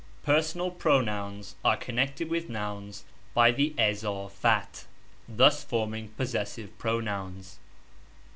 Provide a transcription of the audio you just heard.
Personal pronouns are connected with nouns by the izafat, thus forming possessive pronouns.